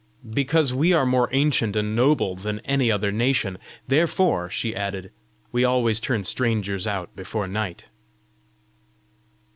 "Because we are more ancient and noble than any other nation. Therefore," she added, "we always turn strangers out before night."